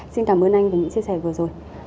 xin cảm ơn anh về những chia sẻ vừa rồi